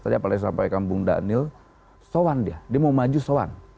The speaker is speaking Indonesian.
tadi apalagi sampaikan bung daniel soan dia dia mau maju soan